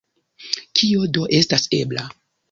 Kio do estas ebla?